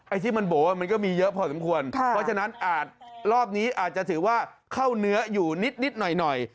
ที่มันโบ๋มันก็มีเยอะพอสมควรเพราะฉะนั้นอาจรอบนี้อาจจะถือว่าเข้าเนื้ออยู่นิดหน่อย